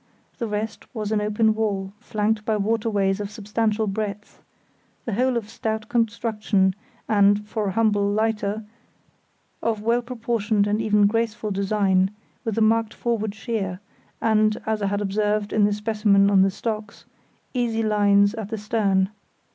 The rest was an open well, flanked by waterways of substantial breadth; the whole of stout construction and, for a humble lighter, of well proportioned and even graceful design, with a marked forward sheer, and, as I had observed in the specimen on the stocks, easy lines at the stern.